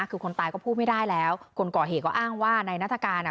คือคนตายก็พูดไม่ได้แล้วคนก่อเหตุก็อ้างว่านายนัฐกาลอ่ะ